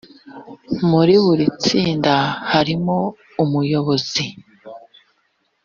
muri buri tsinda harimo umuyobozi